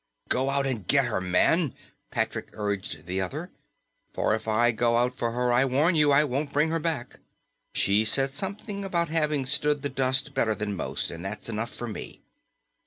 "Go out and get her, man," Patrick urged the other. "For if I go out for her, I warn you I won't bring her back. She said something about having stood the dust better than most, and that's enough for me."